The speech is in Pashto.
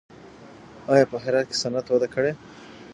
آیا په هرات کې صنعت وده کړې؟